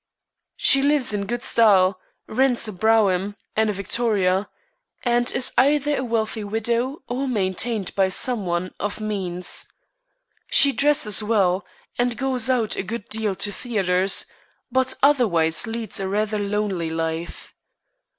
She lives in good style, rents a brougham and a victoria, and is either a wealthy widow or maintained by some one of means. She dresses well, and goes out a good deal to theatres, but otherwise leads a rather lonely life.